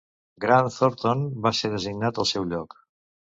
Grant Thornton va ser designat al seu lloc.